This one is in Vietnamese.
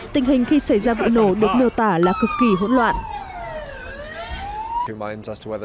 tình hình khi xảy ra vụ nổ được miêu tả là cực kỳ hỗn loạn